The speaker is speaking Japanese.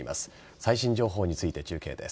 最新情報について中継です。